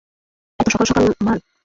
এতো সকাল সকাল মাল?